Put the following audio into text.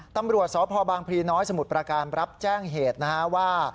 ตำรวจสพบางพลีน้อยสมุทรประการรับแจ้งเหตุนะฮะว่า